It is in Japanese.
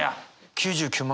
９９万